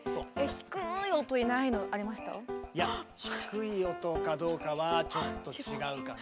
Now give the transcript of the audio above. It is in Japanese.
いや低い音かどうかはちょっと違うかな。